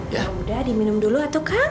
yaudah diminum dulu ya tukang